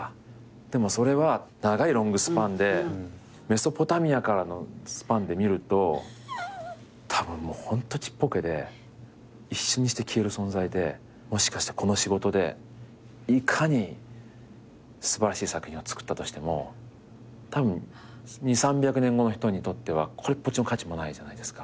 でもそれは長いロングスパンでメソポタミアからのスパンで見るとたぶんもうホントちっぽけで一瞬にして消える存在でもしかしたらこの仕事でいかに素晴らしい作品をつくったとしてもたぶん２００３００年後の人にとってはこれっぽっちの価値もないじゃないですか。